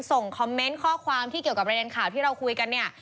ส่งคอมเมนต์ข้อความที่เกี่ยวกับประเด็นข่าวที่เราคุยกันเนี่ย